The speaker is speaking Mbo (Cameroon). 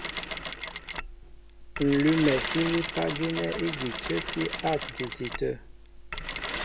Ǹ lʉ́mɛ sílípá gínɛ́ ígi í cə́kí á ǹtiti tə̂.